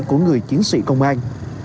của người chiến sĩ công an